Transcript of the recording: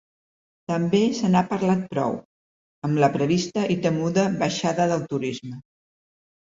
També se n’ha parlat prou, amb la prevista i temuda baixada del turisme.